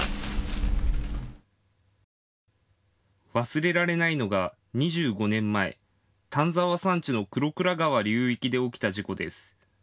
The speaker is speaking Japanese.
忘れられないのが２５年前、丹沢山地の玄倉川流域で起きた事故です。